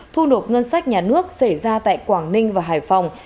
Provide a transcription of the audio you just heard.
thu nộp ngân sách nhà nước xảy ra tại quảng ninh và hải phòng